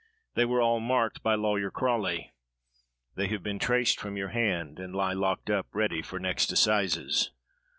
They were all marked by Lawyer Crawley. They have been traced from your hand, and lie locked up ready for next assizes.